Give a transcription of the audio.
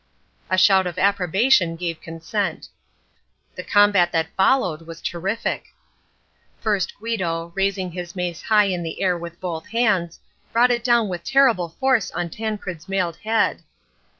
A shout of approbation gave consent. The combat that followed was terrific. First Guido, raising his mace high in the air with both hands, brought it down with terrible force on Tancred's mailed head.